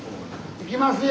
行きますよ！